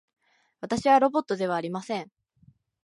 私はロボットではありません。